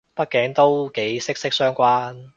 畢竟都幾息息相關